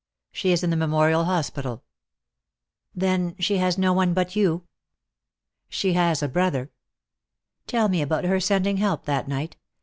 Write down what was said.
She is in the Memorial Hospital." "Then she has no one but you?" "She has a brother." "Tell me about her sending help that night.